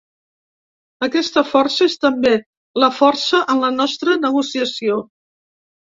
Aquesta força és també la força en la nostra negociació.